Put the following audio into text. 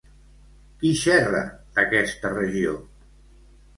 Qui xerra d'aquesta regió?